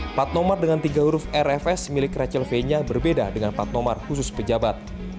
plat nomor dengan tiga huruf rfs milik rachel fenya berbeda dengan plat nomor khusus pejabat